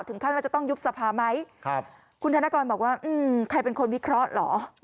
ท่านว่าจะต้องยุบสภาไหมคุณธนกรบอกว่าใครเป็นคนวิเคราะห์เหรอ